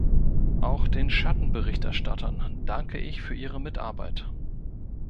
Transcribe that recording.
Auch den Schattenberichterstattern danke ich für ihre Mitarbeit.